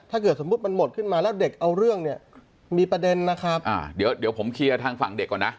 ถ้าเกิดสมมุติมันหมดขึ้นมาแล้วเด็กเอาเรื่องเนี่ยมีประเด็นนะครับอ่าเดี๋ยวเดี๋ยวผมเคลียร์ทางฝั่งเด็กก่อนนะ